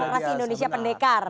demokrasi indonesia pendekar